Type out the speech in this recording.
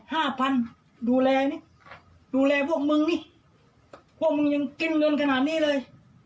ห้าพันดูแลนี่ดูแลพวกมึงนี่พวกมึงยังกินเงินขนาดนี้เลย